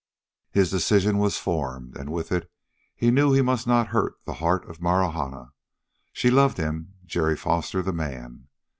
His decision was formed. And with it he knew he must not hurt the heart of Marahna. She loved him, Jerry Foster, the man.